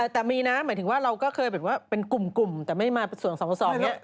แต่มีนะหมายถึงว่าเราเข่าเป็นกลุ่มแต่ไม่มาส่วนส่องเนี้ย